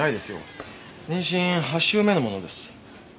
妊娠８週目のものです。